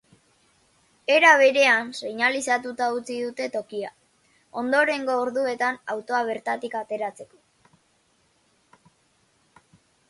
Era berean, seinalizatuta utzi dute tokia, ondorengo orduetan autoa bertatik ateratzeko.